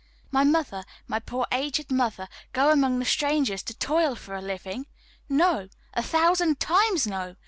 My mother, my poor aged mother, go among strangers to toil for a living! No, a thousand times no!